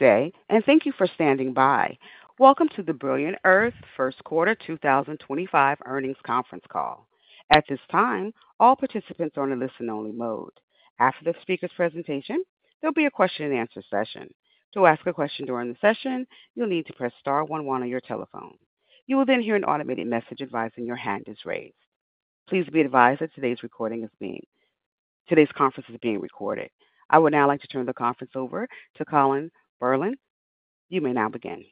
Today, and thank you for standing by. Welcome to the Brilliant Earth first quarter 2025 earnings conference call. At this time, all participants are in a listen-only mode. After the speaker's presentation, there'll be a question-and-answer session. To ask a question during the session, you'll need to press star one one on your telephone. You will then hear an automated message advising your hand is raised. Please be advised that today's conference is being recorded. I would now like to turn the conference over to Colin Bourland. You may now begin.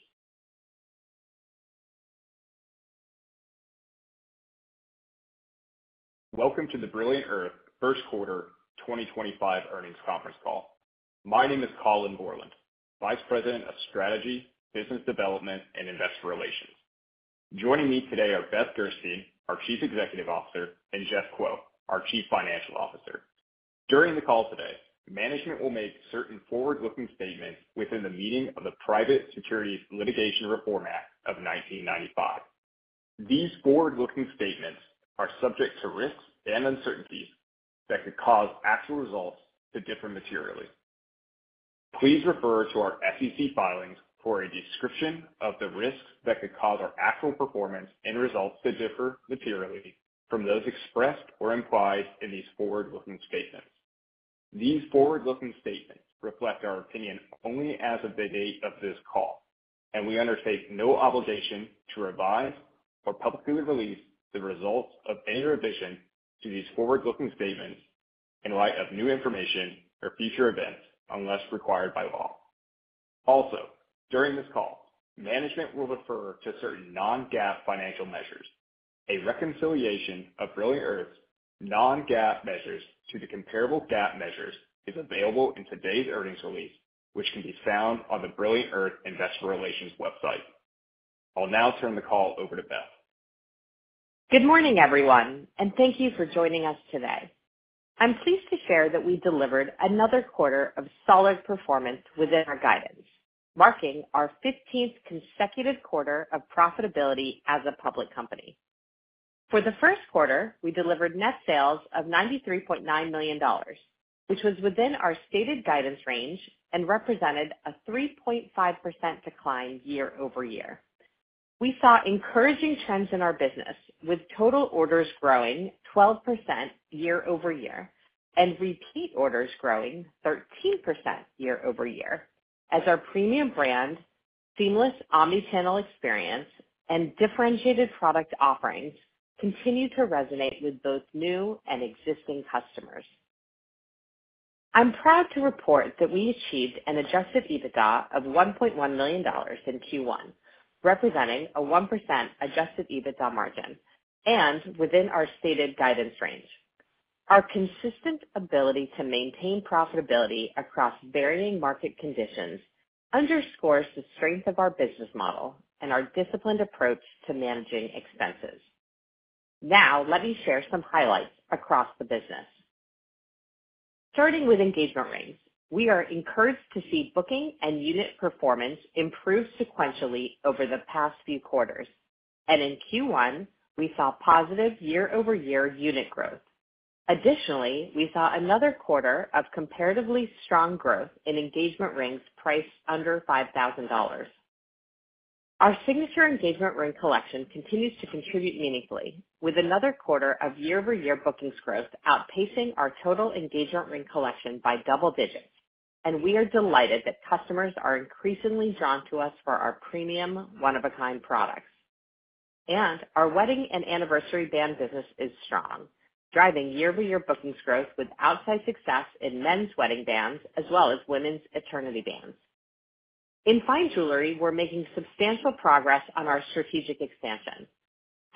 Welcome to the Brilliant Earth first quarter 2025 earnings conference call. My name is Colin Bourland, Vice President of Strategy, Business Development, and Investor Relations. Joining me today are Beth Gerstein, our Chief Executive Officer, and Jeff Kuo, our Chief Financial Officer. During the call today, management will make certain forward-looking statements within the meaning of the Private Securities Litigation Reform Act of 1995. These forward-looking statements are subject to risks and uncertainties that could cause actual results to differ materially. Please refer to our SEC filings for a description of the risks that could cause our actual performance and results to differ materially from those expressed or implied in these forward-looking statements. These forward-looking statements reflect our opinion only as of the date of this call, and we undertake no obligation to revise or publicly release the results of any revision to these forward-looking statements in light of new information or future events unless required by law. Also, during this call, management will refer to certain non-GAAP financial measures. A reconciliation of Brilliant Earth's non-GAAP measures to the comparable GAAP measures is available in today's earnings release, which can be found on the Brilliant Earth Investor Relations website. I'll now turn the call over to Beth. Good morning, everyone, and thank you for joining us today. I'm pleased to share that we delivered another quarter of solid performance within our guidance, marking our 15th consecutive quarter of profitability as a public company. For the first quarter, we delivered net sales of $93.9 million, which was within our stated guidance range and represented a 3.5% decline year-over-year. We saw encouraging trends in our business, with total orders growing 12% year-over-year and repeat orders growing 13% year-over-year as our premium brand, seamless omnichannel experience, and differentiated product offerings continue to resonate with both new and existing customers. I'm proud to report that we achieved an adjusted EBITDA of $1.1 million in Q1, representing a 1% adjusted EBITDA margin and within our stated guidance range. Our consistent ability to maintain profitability across varying market conditions underscores the strength of our business model and our disciplined approach to managing expenses. Now, let me share some highlights across the business. Starting with engagement rings, we are encouraged to see booking and unit performance improve sequentially over the past few quarters, and in Q1, we saw positive year-over-year unit growth. Additionally, we saw another quarter of comparatively strong growth in engagement rings priced under $5,000. Our signature engagement ring collection continues to contribute meaningfully, with another quarter of year-over-year bookings growth outpacing our total engagement ring collection by double digits, and we are delighted that customers are increasingly drawn to us for our premium one-of-a-kind products. Our wedding and anniversary band business is strong, driving year-over-year bookings growth with outside success in men's wedding bands as well as women's eternity bands. In fine jewelry, we're making substantial progress on our strategic expansion.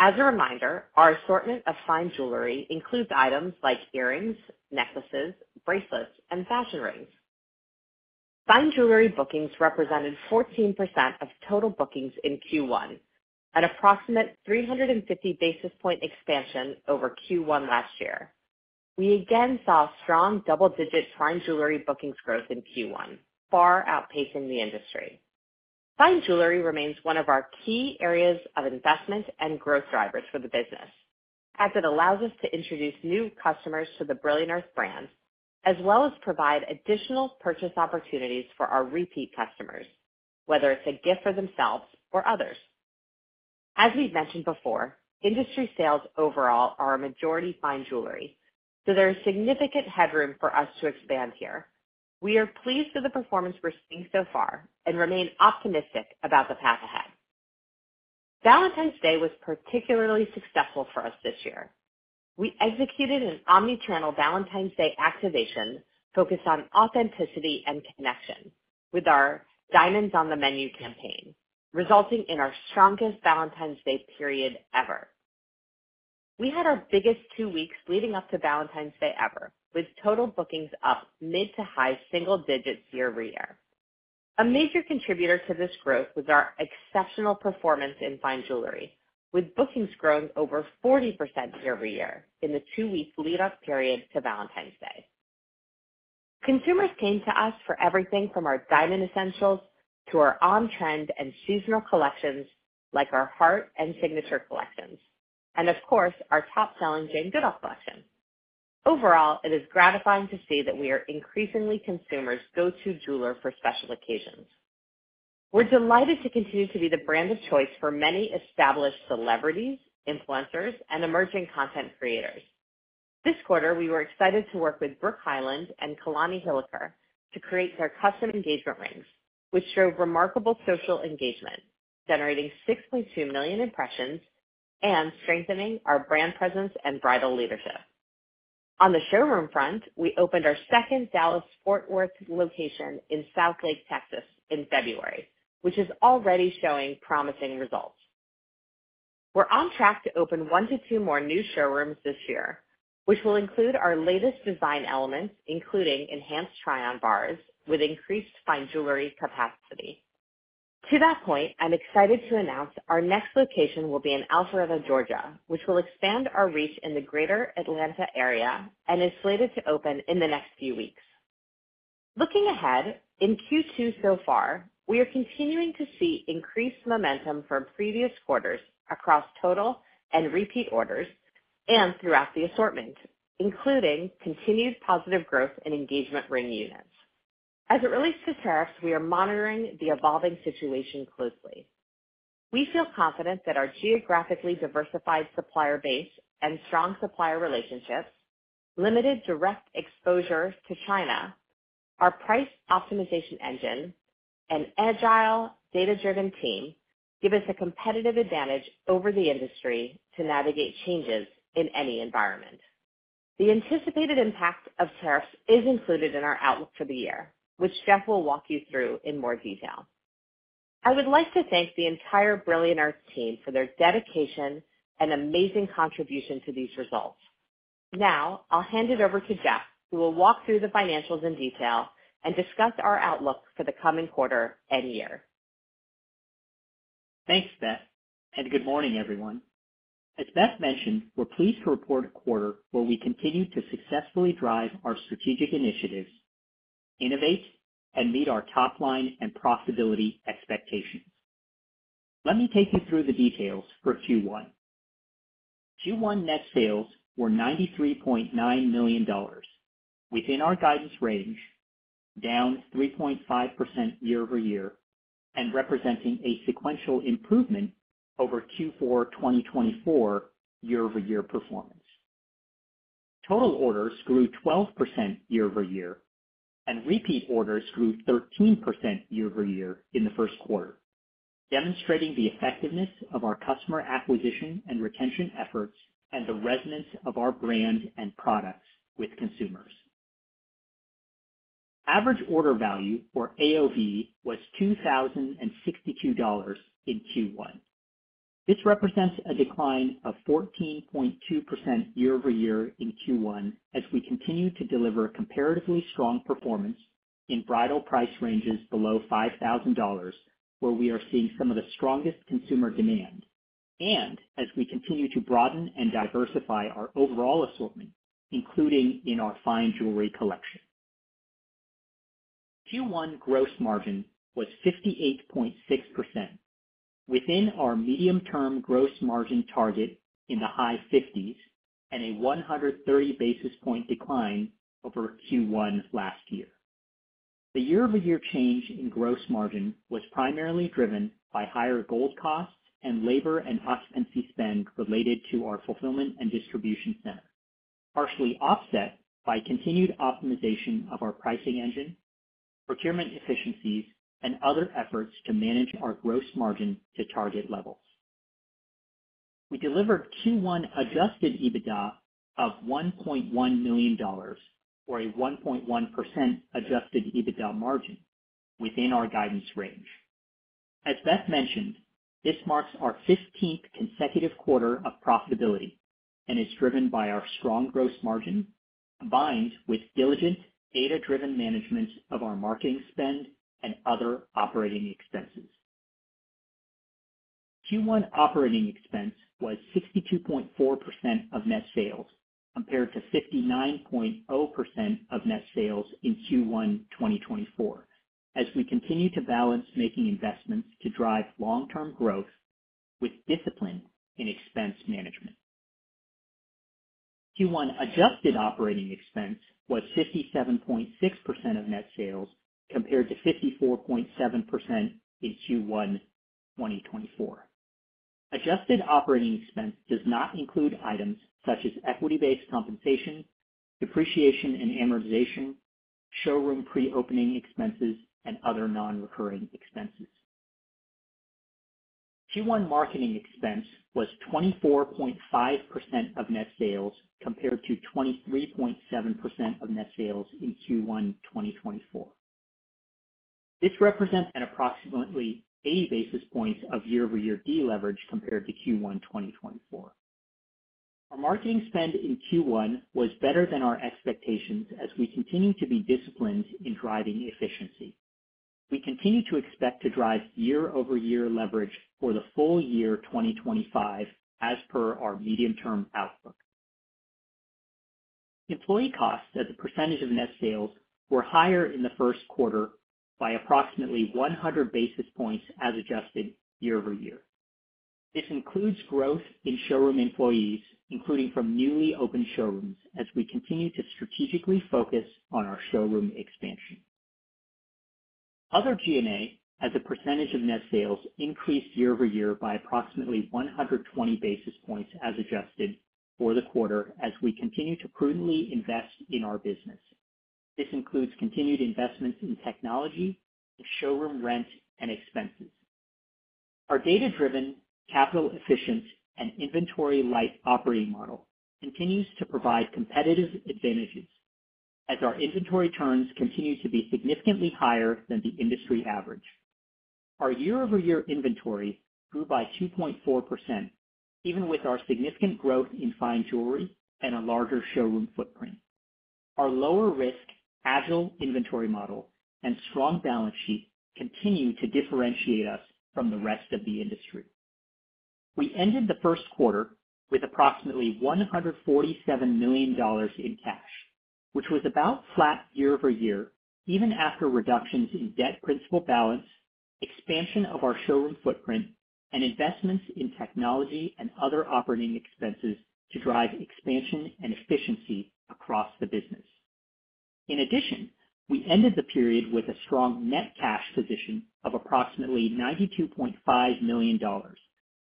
As a reminder, our assortment of fine jewelry includes items like earrings, necklaces, bracelets, and fashion rings. Fine jewelry bookings represented 14% of total bookings in Q1, an approximate 350 basis point expansion over Q1 last year. We again saw strong double-digit fine jewelry bookings growth in Q1, far outpacing the industry. Fine jewelry remains one of our key areas of investment and growth drivers for the business, as it allows us to introduce new customers to the Brilliant Earth brand, as well as provide additional purchase opportunities for our repeat customers, whether it's a gift for themselves or others. As we've mentioned before, industry sales overall are a majority fine jewelry, so there is significant headroom for us to expand here. We are pleased with the performance we're seeing so far and remain optimistic about the path ahead. Valentine's Day was particularly successful for us this year. We executed an omnichannel Valentine's Day activation focused on authenticity and connection with our Diamonds on the Menu campaign, resulting in our strongest Valentine's Day period ever. We had our biggest two weeks leading up to Valentine's Day ever, with total bookings up mid to high single digits year-over-year. A major contributor to this growth was our exceptional performance in fine jewelry, with bookings growing over 40% year-over-year in the two-week lead-up period to Valentine's Day. Consumers came to us for everything from our Diamond Essentials to our on-trend and seasonal collections like our Heart and Signature collections, and of course, our top-selling Jane Goodall collection. Overall, it is gratifying to see that we are increasingly consumers' go-to jeweler for special occasions. We're delighted to continue to be the brand of choice for many established celebrities, influencers, and emerging content creators. This quarter, we were excited to work with Brooke Hyland and Kalani Hilliker to create their custom engagement rings, which showed remarkable social engagement, generating 6.2 million impressions and strengthening our brand presence and bridal leadership. On the showroom front, we opened our second Dallas-Fort Worth location in Southlake, Texas, in February, which is already showing promising results. We're on track to open one to two more new showrooms this year, which will include our latest design elements, including enhanced try-on bars with increased fine jewelry capacity. To that point, I'm excited to announce our next location will be in Alpharetta, Georgia, which will expand our reach in the greater Atlanta area and is slated to open in the next few weeks. Looking ahead, in Q2 so far, we are continuing to see increased momentum from previous quarters across total and repeat orders and throughout the assortment, including continued positive growth in engagement ring units. As it relates to tariffs, we are monitoring the evolving situation closely. We feel confident that our geographically diversified supplier base and strong supplier relationships, limited direct exposure to China, our price optimization engine, and agile, data-driven team give us a competitive advantage over the industry to navigate changes in any environment. The anticipated impact of tariffs is included in our outlook for the year, which Jeff will walk you through in more detail. I would like to thank the entire Brilliant Earth team for their dedication and amazing contribution to these results. Now, I'll hand it over to Jeff, who will walk through the financials in detail and discuss our outlook for the coming quarter and year. Thanks, Beth, and good morning, everyone. As Beth mentioned, we're pleased to report a quarter where we continue to successfully drive our strategic initiatives, innovate, and meet our top line and profitability expectations. Let me take you through the details for Q1. Q1 net sales were $93.9 million within our guidance range, down 3.5% year-over-year and representing a sequential improvement over Q4 2024 year-over-year performance. Total orders grew 12% year-over-year, and repeat orders grew 13% year-over-year in the first quarter, demonstrating the effectiveness of our customer acquisition and retention efforts and the resonance of our brand and products with consumers. Average order value, or AOV, was $2,062 in Q1. This represents a decline of 14.2% year-over-year in Q1 as we continue to deliver comparatively strong performance in bridal price ranges below $5,000, where we are seeing some of the strongest consumer demand, and as we continue to broaden and diversify our overall assortment, including in our fine jewelry collection. Q1 gross margin was 58.6%, within our medium-term gross margin target in the high 50s and a 130 basis point decline over Q1 last year. The year-over-year change in gross margin was primarily driven by higher gold costs and labor and occupancy spend related to our fulfillment and distribution center, partially offset by continued optimization of our pricing engine, procurement efficiencies, and other efforts to manage our gross margin to target levels. We delivered Q1 adjusted EBITDA of $1.1 million, or a 1.1% adjusted EBITDA margin, within our guidance range. As Beth mentioned, this marks our 15th consecutive quarter of profitability and is driven by our strong gross margin combined with diligent, data-driven management of our marketing spend and other operating expenses. Q1 operating expense was 62.4% of net sales, compared to 59.0% of net sales in Q1 2024, as we continue to balance making investments to drive long-term growth with discipline in expense management. Q1 adjusted operating expense was 57.6% of net sales, compared to 54.7% in Q1 2024. Adjusted operating expense does not include items such as equity-based compensation, depreciation and amortization, showroom pre-opening expenses, and other non-recurring expenses. Q1 marketing expense was 24.5% of net sales, compared to 23.7% of net sales in Q1 2024. This represents an approximately 80 basis points of year-over-year deleverage compared to Q1 2024. Our marketing spend in Q1 was better than our expectations as we continue to be disciplined in driving efficiency. We continue to expect to drive year-over-year leverage for the full year 2025, as per our medium-term outlook. Employee costs, as a percentage of net sales, were higher in the first quarter by approximately 100 basis points as adjusted year-over-year. This includes growth in showroom employees, including from newly opened showrooms, as we continue to strategically focus on our showroom expansion. Other G&A, as a percentage of net sales, increased year-over-year by approximately 120 basis points as adjusted for the quarter, as we continue to prudently invest in our business. This includes continued investments in technology, showroom rent, and expenses. Our data-driven, capital-efficient, and inventory-light operating model continues to provide competitive advantages, as our inventory turns continue to be significantly higher than the industry average. Our year-over-year inventory grew by 2.4%, even with our significant growth in fine jewelry and a larger showroom footprint. Our lower-risk, agile inventory model and strong balance sheet continue to differentiate us from the rest of the industry. We ended the first quarter with approximately $147 million in cash, which was about flat year-over-year, even after reductions in debt principal balance, expansion of our showroom footprint, and investments in technology and other operating expenses to drive expansion and efficiency across the business. In addition, we ended the period with a strong net cash position of approximately $92.5 million,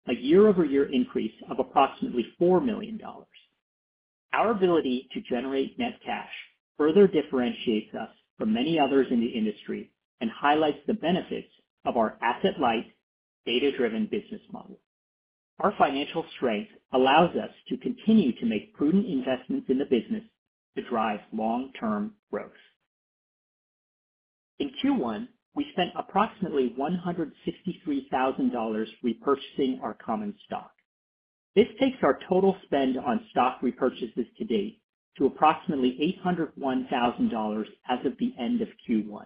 a year-over-year increase of approximately $4 million. Our ability to generate net cash further differentiates us from many others in the industry and highlights the benefits of our asset-light, data-driven business model. Our financial strength allows us to continue to make prudent investments in the business to drive long-term growth. In Q1, we spent approximately $163,000 repurchasing our common stock. This takes our total spend on stock repurchases to date to approximately $801,000 as of the end of Q1.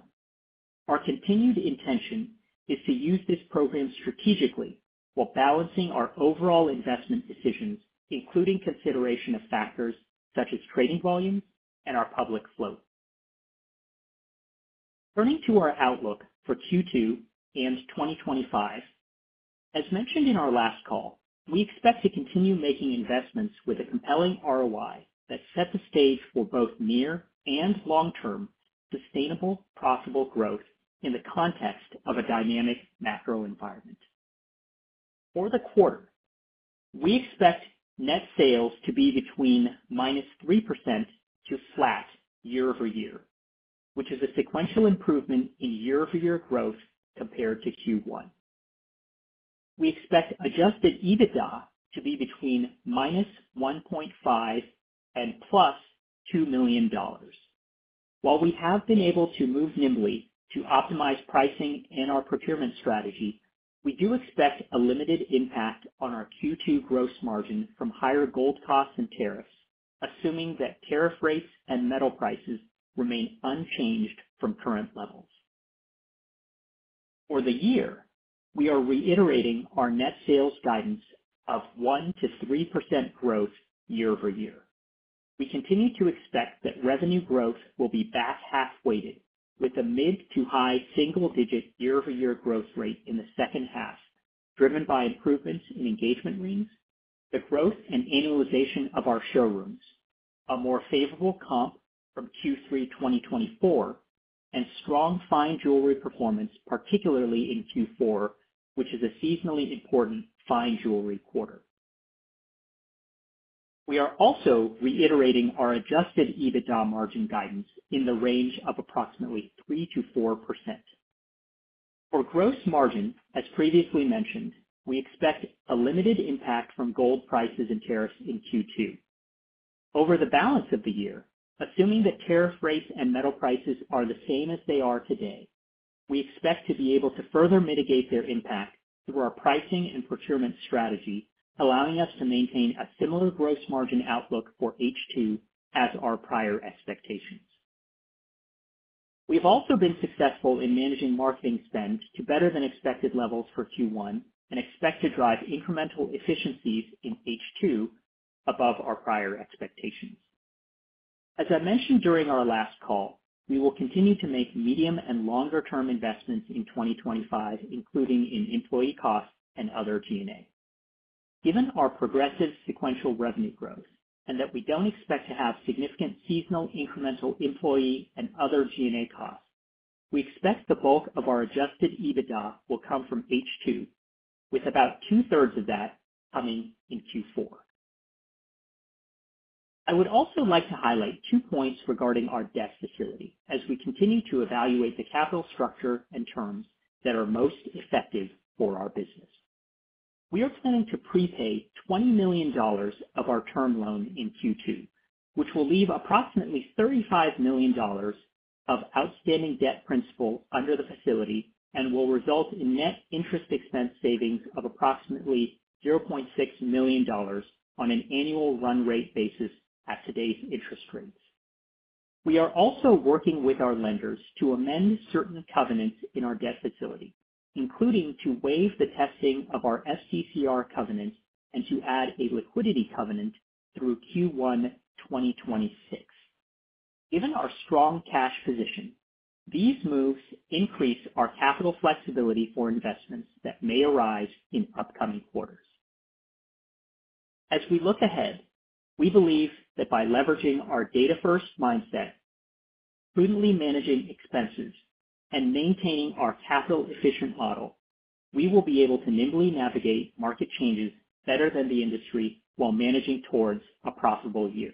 Our continued intention is to use this program strategically while balancing our overall investment decisions, including consideration of factors such as trading volumes and our public float. Turning to our outlook for Q2 and 2025, as mentioned in our last call, we expect to continue making investments with a compelling ROI that sets the stage for both near and long-term sustainable, profitable growth in the context of a dynamic macro environment. For the quarter, we expect net sales to be between -3% to flat year-over-year, which is a sequential improvement in year-over-year growth compared to Q1. We expect adjusted EBITDA to be between -$1.5 million and +$2 million. While we have been able to move nimbly to optimize pricing and our procurement strategy, we do expect a limited impact on our Q2 gross margin from higher gold costs and tariffs, assuming that tariff rates and metal prices remain unchanged from current levels. For the year, we are reiterating our net sales guidance of 1%-3% growth year-over-year. We continue to expect that revenue growth will be back half-weighted, with a mid to high single-digit year-over-year growth rate in the second half, driven by improvements in engagement rings, the growth and annualization of our showrooms, a more favorable comp from Q3 2024, and strong fine jewelry performance, particularly in Q4, which is a seasonally important fine jewelry quarter. We are also reiterating our adjusted EBITDA margin guidance in the range of approximately 3%-4%. For gross margin, as previously mentioned, we expect a limited impact from gold prices and tariffs in Q2. Over the balance of the year, assuming that tariff rates and metal prices are the same as they are today, we expect to be able to further mitigate their impact through our pricing and procurement strategy, allowing us to maintain a similar gross margin outlook for H2 as our prior expectations. We've also been successful in managing marketing spend to better-than-expected levels for Q1 and expect to drive incremental efficiencies in H2 above our prior expectations. As I mentioned during our last call, we will continue to make medium and longer-term investments in 2025, including in employee costs and other G&A. Given our progressive sequential revenue growth and that we do not expect to have significant seasonal incremental employee and other G&A costs, we expect the bulk of our adjusted EBITDA will come from H2, with about two-thirds of that coming in Q4. I would also like to highlight two points regarding our debt facility, as we continue to evaluate the capital structure and terms that are most effective for our business. We are planning to prepay $20 million of our term loan in Q2, which will leave approximately $35 million of outstanding debt principal under the facility and will result in net interest expense savings of approximately $0.6 million on an annual run rate basis at today's interest rates. We are also working with our lenders to amend certain covenants in our debt facility, including to waive the testing of our SDCR covenants and to add a liquidity covenant through Q1 2026. Given our strong cash position, these moves increase our capital flexibility for investments that may arise in upcoming quarters. As we look ahead, we believe that by leveraging our data-first mindset, prudently managing expenses, and maintaining our capital-efficient model, we will be able to nimbly navigate market changes better than the industry while managing towards a profitable year.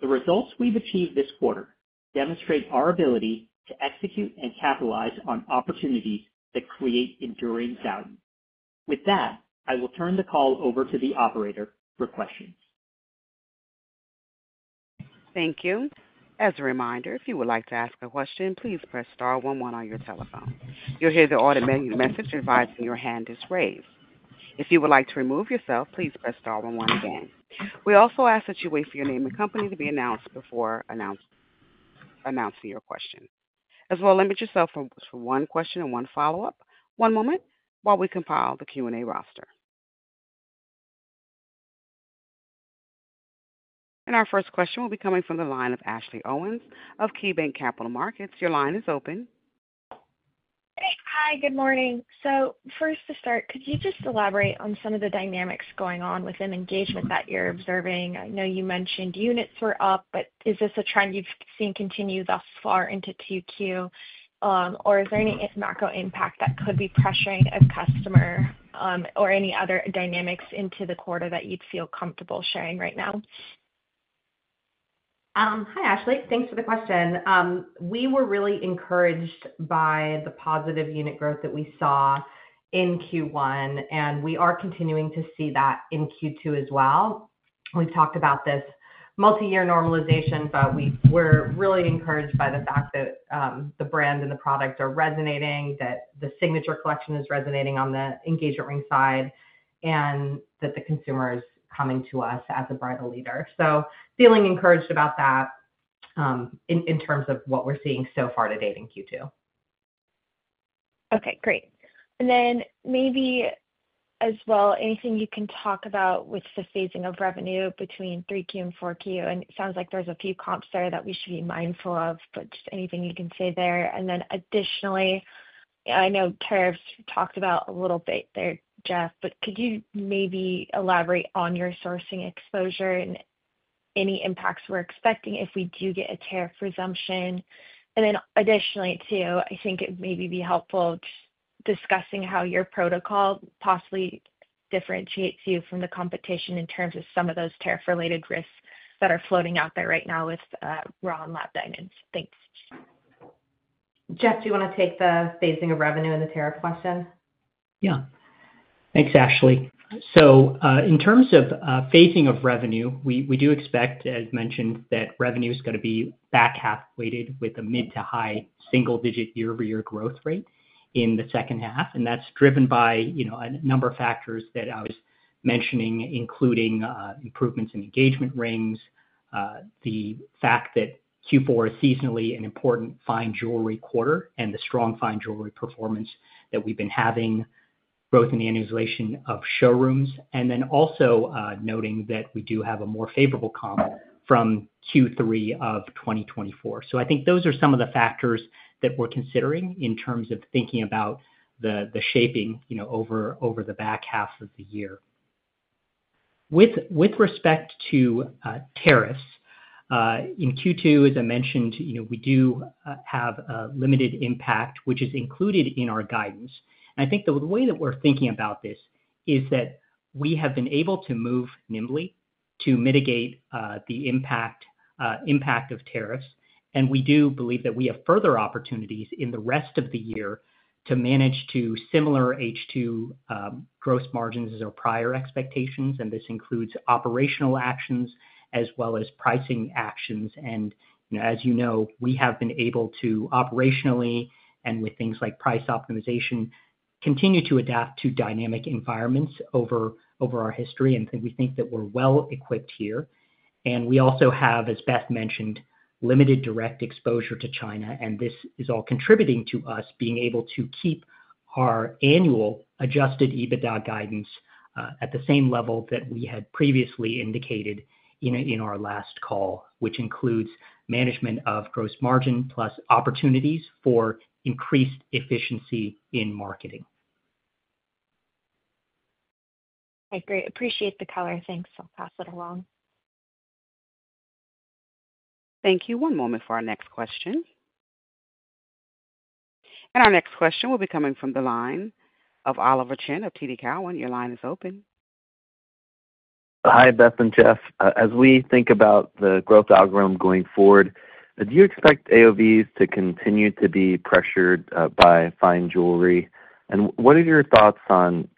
The results we've achieved this quarter demonstrate our ability to execute and capitalize on opportunities that create enduring value. With that, I will turn the call over to the operator for questions. Thank you. As a reminder, if you would like to ask a question, please press star one one on your telephone. You'll hear the automated message advising your hand is raised. If you would like to remove yourself, please press star 11 again. We also ask that you wait for your name and company to be announced before announcing your question. As well, limit yourself to one question and one follow-up. One moment while we compile the Q&A roster. Our first question will be coming from the line of Ashley Owens of KeyBanc Capital Markets. Your line is open. Hey, hi, good morning. First, to start, could you just elaborate on some of the dynamics going on within engagement that you're observing? I know you mentioned units were up, but is this a trend you've seen continue thus far into Q2? Is there any macro impact that could be pressuring a customer or any other dynamics into the quarter that you'd feel comfortable sharing right now? Hi, Ashley. Thanks for the question. We were really encouraged by the positive unit growth that we saw in Q1, and we are continuing to see that in Q2 as well. We've talked about this multi-year normalization, but we were really encouraged by the fact that the brand and the product are resonating, that the Signature Collection is resonating on the engagement ring side, and that the consumer is coming to us as a bridal leader. Feeling encouraged about that in terms of what we're seeing so far to date in Q2. Okay, great. Maybe as well, anything you can talk about with the phasing of revenue between 3Q and 4Q? It sounds like there's a few comps there that we should be mindful of, but just anything you can say there. Additionally, I know tariffs were talked about a little bit there, Jeff, but could you maybe elaborate on your sourcing exposure and any impacts we're expecting if we do get a tariff resumption? Additionally too, I think it may be helpful discussing how your protocol possibly differentiates you from the competition in terms of some of those tariff-related risks that are floating out there right now with raw and lab diamonds. Thanks. Jeff, do you want to take the phasing of revenue and the tariff question? Yeah. Thanks, Ashley. In terms of phasing of revenue, we do expect, as mentioned, that revenue is going to be back half-weighted with a mid to high single-digit year-over-year growth rate in the second half. That is driven by a number of factors that I was mentioning, including improvements in engagement rings, the fact that Q4 is seasonally an important fine jewelry quarter, and the strong fine jewelry performance that we have been having, growth in the annualization of showrooms, and then also noting that we do have a more favorable comp from Q3 of 2024. I think those are some of the factors that we are considering in terms of thinking about the shaping over the back half of the year. With respect to tariffs, in Q2, as I mentioned, we do have a limited impact, which is included in our guidance. I think the way that we're thinking about this is that we have been able to move nimbly to mitigate the impact of tariffs. We do believe that we have further opportunities in the rest of the year to manage to similar H2 gross margins as our prior expectations. This includes operational actions as well as pricing actions. As you know, we have been able to operationally and with things like price optimization continue to adapt to dynamic environments over our history. We think that we're well equipped here. We also have, as Beth mentioned, limited direct exposure to China. This is all contributing to us being able to keep our annual adjusted EBITDA guidance at the same level that we had previously indicated in our last call, which includes management of gross margin plus opportunities for increased efficiency in marketing. Okay, great. Appreciate the color. Thanks. I'll pass it along. Thank you. One moment for our next question. Our next question will be coming from the line of Oliver Chen of TD Cowen. Your line is open. Hi, Beth and Jeff. As we think about the growth algorithm going forward, do you expect AOVs to continue to be pressured by fine jewelry? What are your thoughts on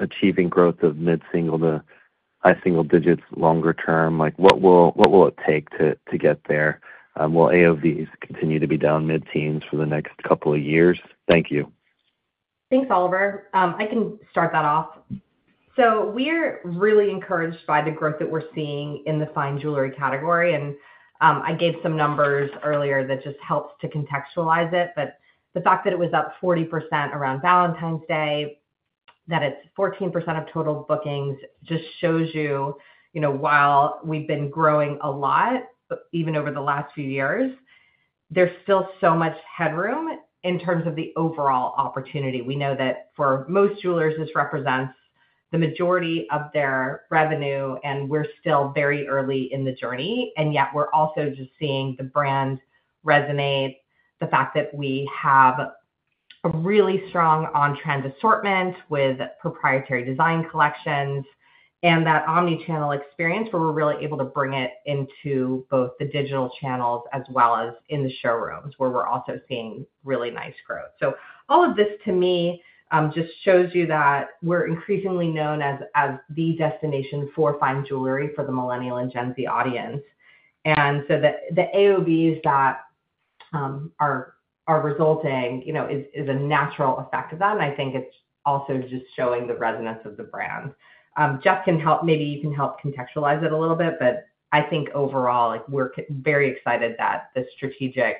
achieving growth of mid-single to high single digits longer term? What will it take to get there? Will AOVs continue to be down mid-teens for the next couple of years? Thank you. Thanks, Oliver. I can start that off. We're really encouraged by the growth that we're seeing in the fine jewelry category. I gave some numbers earlier that just helps to contextualize it. The fact that it was up 40% around Valentine's Day, that it's 14% of total bookings, just shows you while we've been growing a lot, even over the last few years, there's still so much headroom in terms of the overall opportunity. We know that for most jewelers, this represents the majority of their revenue, and we're still very early in the journey. Yet we're also just seeing the brand resonate, the fact that we have a really strong on-trend assortment with proprietary design collections, and that omnichannel experience where we're really able to bring it into both the digital channels as well as in the showrooms where we're also seeing really nice growth. All of this to me just shows you that we're increasingly known as the destination for fine jewelry for the millennial and Gen Z audience. The AOVs that are resulting is a natural effect of that. I think it's also just showing the resonance of the brand. Jeff, maybe you can help contextualize it a little bit, but I think overall, we're very excited that the strategic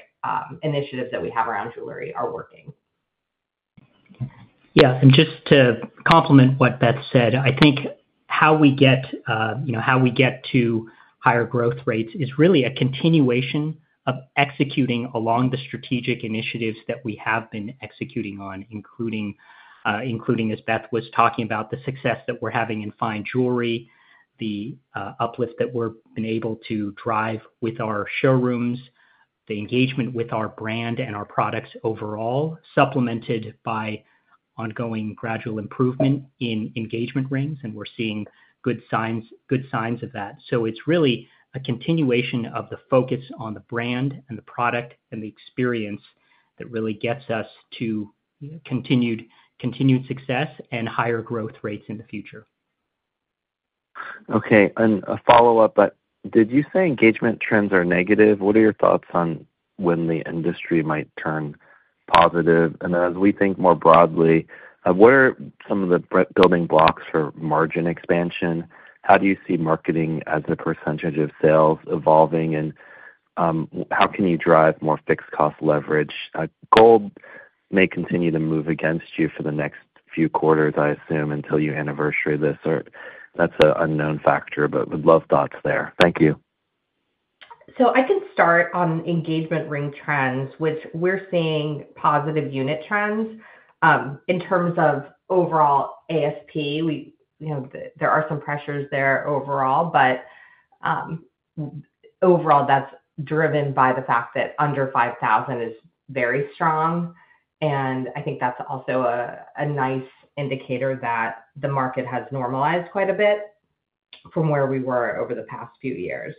initiatives that we have around jewelry are working. Yeah. Just to complement what Beth said, I think how we get to higher growth rates is really a continuation of executing along the strategic initiatives that we have been executing on, including, as Beth was talking about, the success that we are having in fine jewelry, the uplift that we have been able to drive with our showrooms, the engagement with our brand and our products overall, supplemented by ongoing gradual improvement in engagement rings. We are seeing good signs of that. It is really a continuation of the focus on the brand and the product and the experience that really gets us to continued success and higher growth rates in the future. Okay. A follow-up, but did you say engagement trends are negative? What are your thoughts on when the industry might turn positive? As we think more broadly, what are some of the building blocks for margin expansion? How do you see marketing as a percentage of sales evolving, and how can you drive more fixed cost leverage? Gold may continue to move against you for the next few quarters, I assume, until you anniversary this. That is an unknown factor, but would love thoughts there. Thank you. I can start on engagement ring trends, which we're seeing positive unit trends in terms of overall ASP. There are some pressures there overall, but overall, that's driven by the fact that under $5,000 is very strong. I think that's also a nice indicator that the market has normalized quite a bit from where we were over the past few years.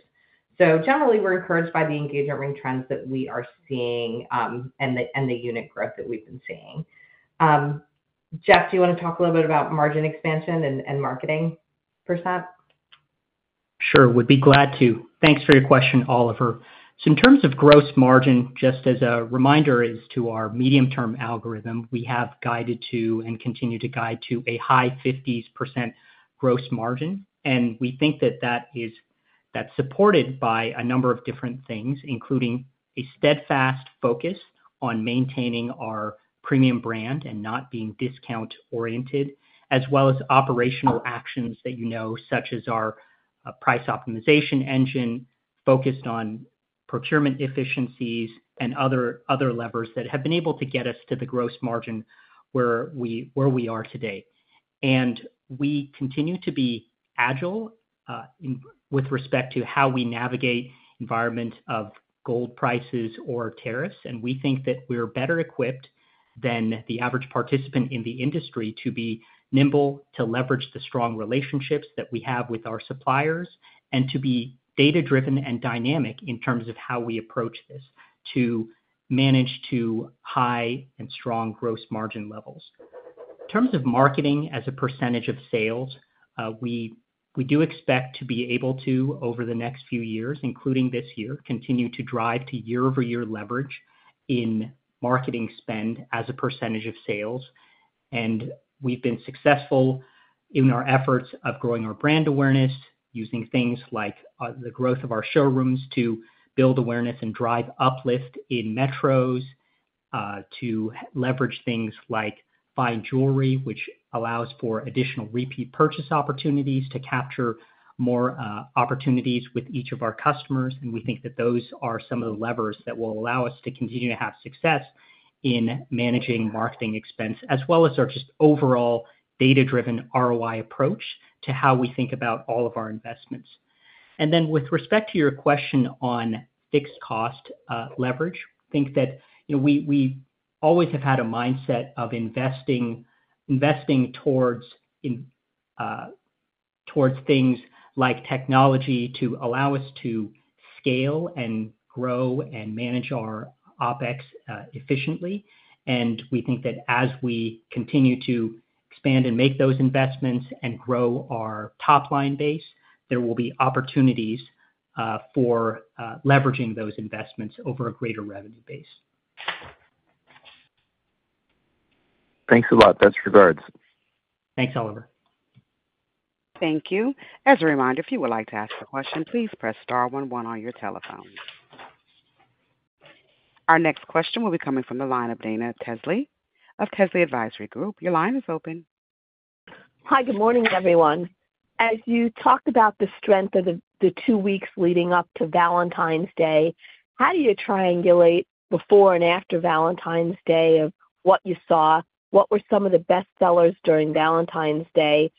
Generally, we're encouraged by the engagement ring trends that we are seeing and the unit growth that we've been seeing. Jeff, do you want to talk a little bit about margin expansion and marketing percent? Sure. Would be glad to. Thanks for your question, Oliver. In terms of gross margin, just as a reminder is to our medium-term algorithm, we have guided to and continue to guide to a high 50s % gross margin. We think that that is supported by a number of different things, including a steadfast focus on maintaining our premium brand and not being discount-oriented, as well as operational actions that you know, such as our price optimization engine focused on procurement efficiencies and other levers that have been able to get us to the gross margin where we are today. We continue to be agile with respect to how we navigate the environment of gold prices or tariffs. We think that we're better equipped than the average participant in the industry to be nimble, to leverage the strong relationships that we have with our suppliers, and to be data-driven and dynamic in terms of how we approach this to manage to high and strong gross margin levels. In terms of marketing as a percentage of sales, we do expect to be able to, over the next few years, including this year, continue to drive to year-over-year leverage in marketing spend as a percentage of sales. We've been successful in our efforts of growing our brand awareness, using things like the growth of our showrooms to build awareness and drive uplift in metros, to leverage things like fine jewelry, which allows for additional repeat purchase opportunities to capture more opportunities with each of our customers. We think that those are some of the levers that will allow us to continue to have success in managing marketing expense, as well as our just overall data-driven ROI approach to how we think about all of our investments. With respect to your question on fixed cost leverage, I think that we always have had a mindset of investing towards things like technology to allow us to scale and grow and manage our OpEx efficiently. We think that as we continue to expand and make those investments and grow our top line base, there will be opportunities for leveraging those investments over a greater revenue base. Thanks a lot. Best regards. Thanks, Oliver. Thank you. As a reminder, if you would like to ask a question, please press star one one on your telephone. Our next question will be coming from the line of Dana Telsey of Telsey Advisory Group. Your line is open. Hi, good morning, everyone. As you talked about the strength of the two weeks leading up to Valentine's Day, how do you triangulate before and after Valentine's Day of what you saw? What were some of the best sellers during Valentine's Day, and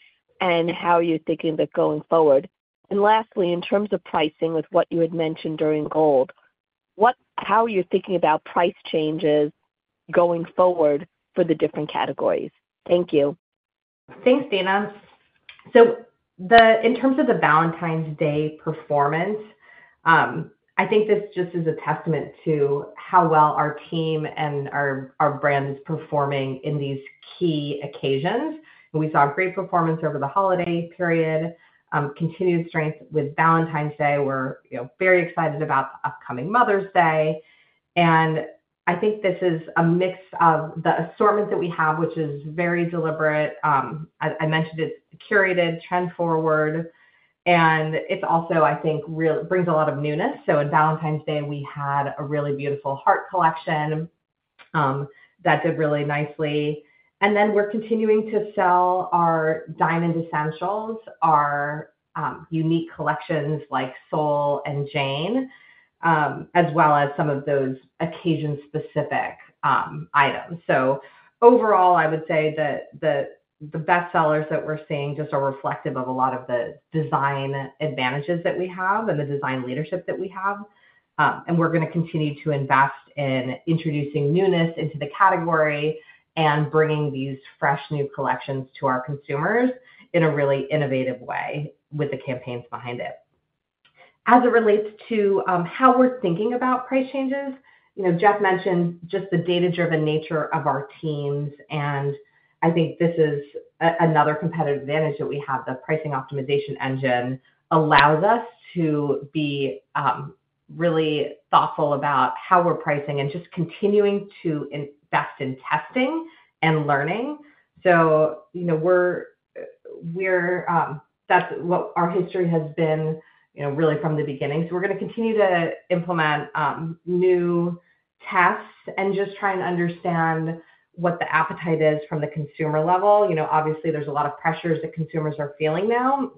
how are you thinking about going forward? Lastly, in terms of pricing with what you had mentioned during gold, how are you thinking about price changes going forward for the different categories? Thank you. Thanks, Dana. In terms of the Valentine's Day performance, I think this just is a testament to how well our team and our brand is performing in these key occasions. We saw great performance over the holiday period, continued strength with Valentine's Day. We are very excited about the upcoming Mother's Day. I think this is a mix of the assortment that we have, which is very deliberate. I mentioned it's curated, trend-forward. It also, I think, brings a lot of newness. At Valentine's Day, we had a really beautiful Heart collection that did really nicely. We are continuing to sell our Diamond Essentials, our unique collections like Sol and Jane, as well as some of those occasion-specific items. Overall, I would say that the best sellers that we're seeing just are reflective of a lot of the design advantages that we have and the design leadership that we have. We're going to continue to invest in introducing newness into the category and bringing these fresh new collections to our consumers in a really innovative way with the campaigns behind it. As it relates to how we're thinking about price changes, Jeff mentioned just the data-driven nature of our teams. I think this is another competitive advantage that we have. The pricing optimization engine allows us to be really thoughtful about how we're pricing and just continuing to invest in testing and learning. That's what our history has been really from the beginning. We're going to continue to implement new tests and just try and understand what the appetite is from the consumer level. Obviously, there's a lot of pressures that consumers are feeling now.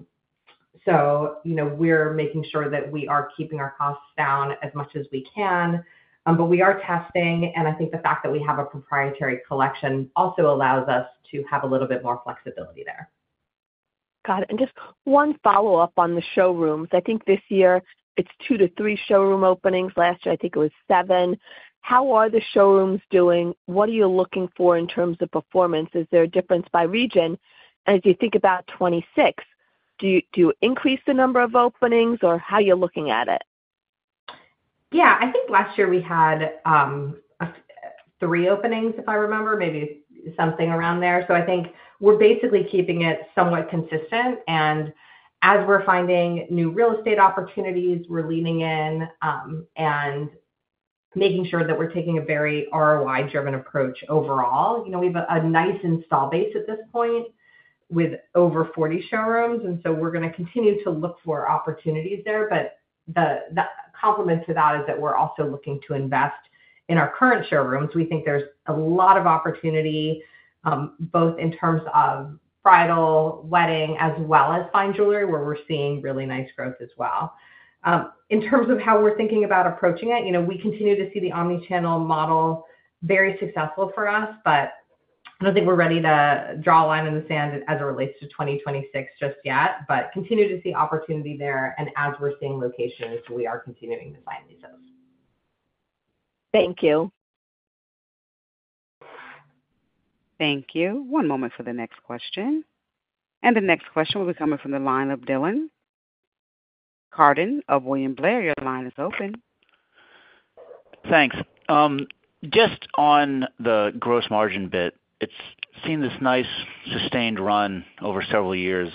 So we're making sure that we are keeping our costs down as much as we can. But we are testing. And I think the fact that we have a proprietary collection also allows us to have a little bit more flexibility there. Got it. And just one follow-up on the showrooms. I think this year it's two to three showroom openings. Last year, I think it was seven. How are the showrooms doing? What are you looking for in terms of performance? Is there a difference by region? And as you think about 2026, do you increase the number of openings or how are you looking at it? Yeah. I think last year we had three openings, if I remember, maybe something around there. I think we're basically keeping it somewhat consistent. As we're finding new real estate opportunities, we're leaning in and making sure that we're taking a very ROI-driven approach overall. We have a nice install base at this point with over 40 showrooms. We're going to continue to look for opportunities there. The complement to that is that we're also looking to invest in our current showrooms. We think there's a lot of opportunity both in terms of bridal, wedding, as well as fine jewelry, where we're seeing really nice growth as well. In terms of how we're thinking about approaching it, we continue to see the omnichannel model very successful for us. I don't think we're ready to draw a line in the sand as it relates to 2026 just yet, but continue to see opportunity there. As we're seeing locations, we are continuing to find these things. Thank you. Thank you. One moment for the next question. The next question will be coming from the line of Dylan Carden of William Blair. Your line is open. Thanks. Just on the gross margin bit, it has seen this nice sustained run over several years,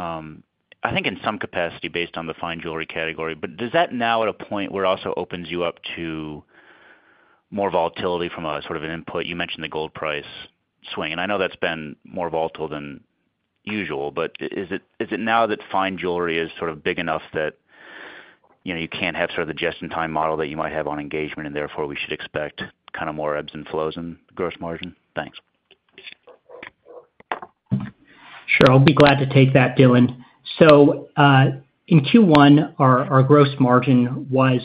I think in some capacity based on the fine jewelry category. Is that now at a point where it also opens you up to more volatility from a sort of an input? You mentioned the gold price swing. I know that has been more volatile than usual, but is it now that fine jewelry is sort of big enough that you cannot have sort of the just-in-time model that you might have on engagement, and therefore we should expect kind of more ebbs and flows in gross margin? Thanks. Sure. I'll be glad to take that, Dylan. In Q1, our gross margin was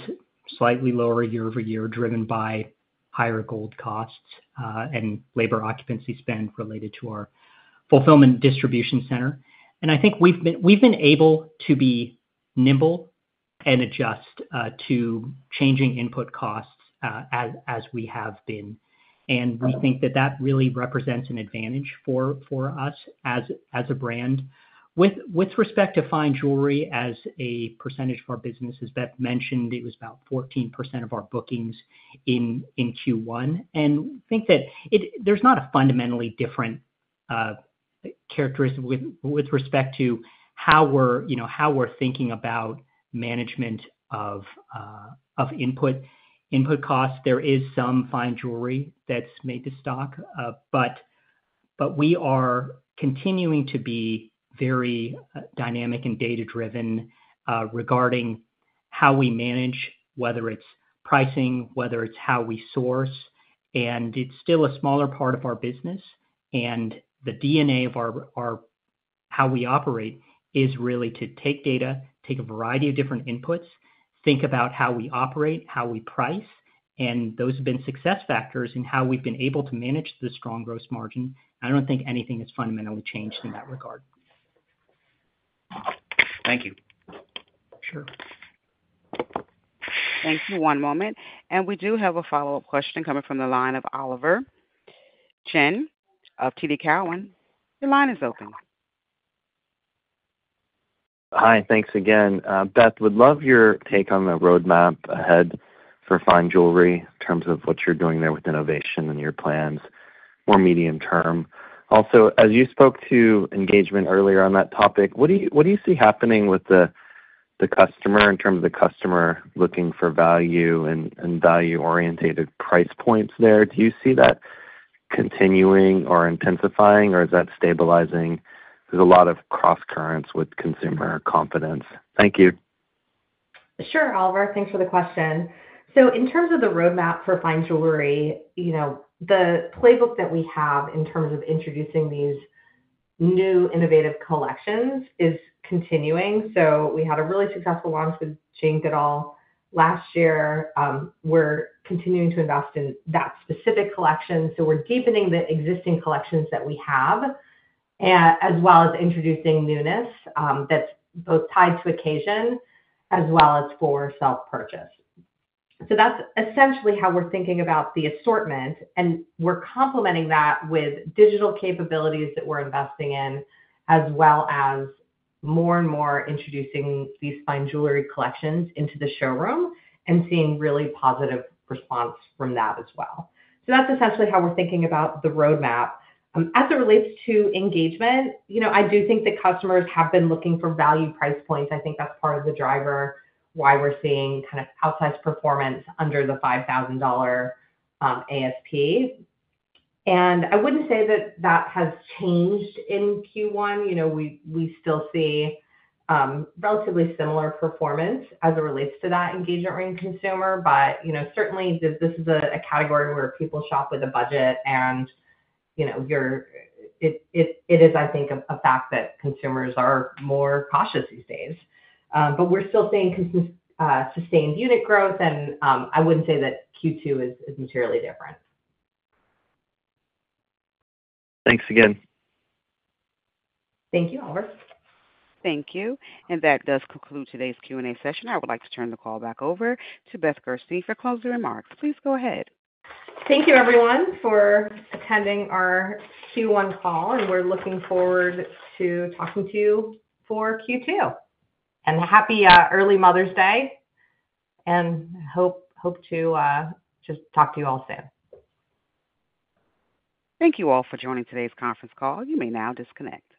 slightly lower year-over-year driven by higher gold costs and labor occupancy spend related to our fulfillment distribution center. I think we've been able to be nimble and adjust to changing input costs as we have been. We think that that really represents an advantage for us as a brand. With respect to fine jewelry, as a percentage of our business, as Beth mentioned, it was about 14% of our bookings in Q1. I think that there's not a fundamentally different characteristic with respect to how we're thinking about management of input costs. There is some fine jewelry that's made to stock, but we are continuing to be very dynamic and data-driven regarding how we manage, whether it's pricing, whether it's how we source. It's still a smaller part of our business. The DNA of how we operate is really to take data, take a variety of different inputs, think about how we operate, how we price, and those have been success factors in how we've been able to manage the strong gross margin. I don't think anything has fundamentally changed in that regard. Thank you. Sure. Thank you. One moment. We do have a follow-up question coming from the line of Oliver Chen of TD Cowen. Your line is open. Hi. Thanks again. Beth, would love your take on the roadmap ahead for fine jewelry in terms of what you're doing there with innovation and your plans more medium term. Also, as you spoke to engagement earlier on that topic, what do you see happening with the customer in terms of the customer looking for value and value-orientated price points there? Do you see that continuing or intensifying, or is that stabilizing? There's a lot of cross-currents with consumer confidence. Thank you. Sure, Oliver. Thanks for the question. In terms of the roadmap for fine jewelry, the playbook that we have in terms of introducing these new innovative collections is continuing. We had a really successful launch with Jane Goodall last year. We're continuing to invest in that specific collection. We're deepening the existing collections that we have, as well as introducing newness that's both tied to occasion as well as for self-purchase. That's essentially how we're thinking about the assortment. We're complementing that with digital capabilities that we're investing in, as well as more and more introducing these fine jewelry collections into the showroom and seeing really positive response from that as well. That's essentially how we're thinking about the roadmap. As it relates to engagement, I do think that customers have been looking for value price points. I think that's part of the driver why we're seeing kind of outsized performance under the $5,000 ASP. I wouldn't say that that has changed in Q1. We still see relatively similar performance as it relates to that engagement ring consumer. Certainly, this is a category where people shop with a budget. It is, I think, a fact that consumers are more cautious these days. We're still seeing sustained unit growth. I wouldn't say that Q2 is materially different. Thanks again. Thank you, Oliver. Thank you. That does conclude today's Q&A session. I would like to turn the call back over to Beth Gerstein for closing remarks. Please go ahead. Thank you, everyone, for attending our Q1 call. We are looking forward to talking to you for Q2. Happy early Mother's Day. Hope to just talk to you all soon. Thank you all for joining today's conference call. You may now disconnect.